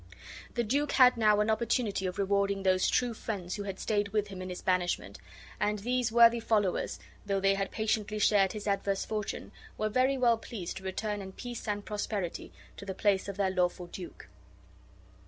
The duke had now an opportunity of rewarding those true friends who had stayed with him in his banishment; and these worthy followers, though they had patiently shared his adverse fortune, were very well pleased to return in peace and prosperity, to the palace of their lawful duke.